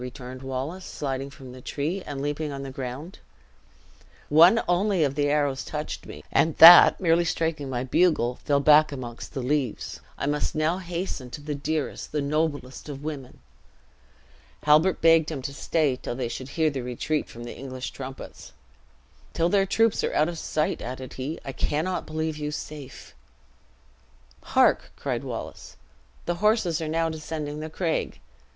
returned Wallace, sliding from the tree, and leaping on the ground. "One only of the arrows touched me; and that merely striking my bugle, fell back amongst the leaves. I must now hasten to the dearest, the noblest of women!" Halbert begged him to stay till they should hear the retreat from the English trumpets. "Till their troops are out of sight," added he, "I cannot believe you safe." "Hark!" cried Wallace, "the horses are now descending the craig.